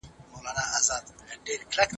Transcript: د زوجينو تر منځ اړيکي ساده نه دي.